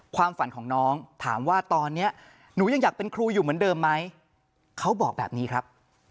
ความฝันของน้องถามว่าตอนนี้หนูยังอยากเป็นครูอยู่เหมือนเดิมไหมเขาบอกแบบนี้ครับ